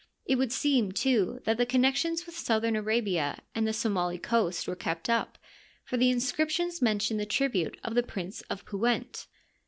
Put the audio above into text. It would seem, too, that the connec tions with southern Arabia and the Somili coast were kept up, for the inscriptions mention the tribute of the Prince of Pewent.